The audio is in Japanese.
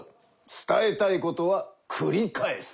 伝えたいことはくり返す。